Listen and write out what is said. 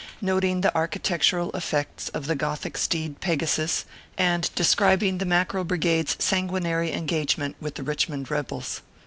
NOTING THE ARCHITECTURAL EFFECTS OF THE GOTHIC STEED, PEGASUS, AND DESCRIBING THE MACKEREL BRIGADE S SANGUINARY ENGAGE MENT WITH THE RICHMOND REBELS.